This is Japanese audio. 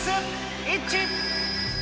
イッチ。